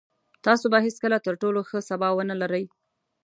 تاسو به هېڅکله تر ټولو ښه سبا ونلرئ.